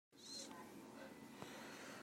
Tukar hrawng cu kan paw kan i cawm kho sasai lo.